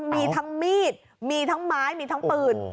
มีทั้งมีดมีทั้งไม้มีทั้งปืน